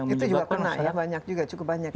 itu juga kena ya banyak juga cukup banyak ya